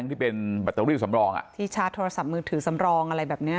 ที่เป็นแบตเตอรี่สำรองอ่ะที่ชาร์จโทรศัพท์มือถือสำรองอะไรแบบเนี้ย